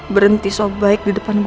berhenti sop baik